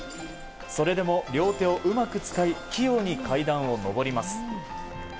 それでも両手をうまく使い器用に階段を上ります。